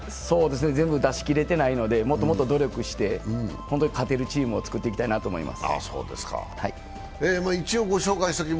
全部出し切れていないので、もっともっと努力して勝てるチームをつくりたいと思います。